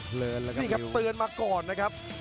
การให้เลือดนะครับ